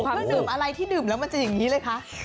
เครื่องดื่มอะไรที่ดื่มแล้วมันจะอย่างนี้เลยคะ